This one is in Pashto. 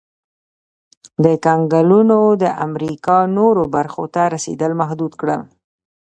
کنګلونو د امریکا نورو برخو ته رسېدل محدود کړل.